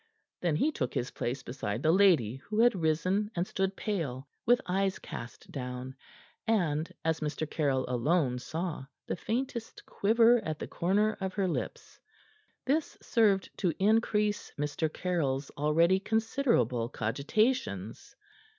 Then he took his place beside the lady, who had risen, and stood pale, with eyes cast down and as Mr. Caryll alone saw the faintest quiver at the corners of her lips. This served to increase Mr. Caryll's already considerable cogitations.